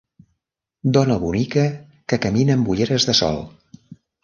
Dona bonica que camina amb ulleres de sol.